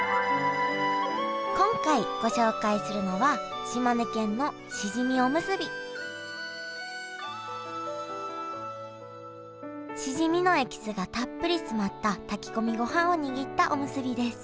今回ご紹介するのはしじみのエキスがたっぷり詰まった炊き込みごはんを握ったおむすびです。